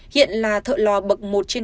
hiện là thợ lò bậc một trên năm